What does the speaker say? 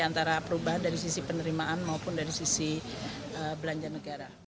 antara perubahan dari sisi penerimaan maupun dari sisi belanja negara